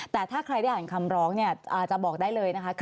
แต่ถ้าใครได้อ่านคำร้องจะบอกได้เลยนะคะ